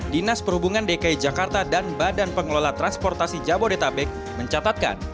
dinas perhubungan dki jakarta dan badan pengelola transportasi jabodetabek mencatatkan